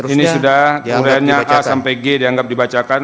ini sudah kemudian a sampai g dianggap dibacakan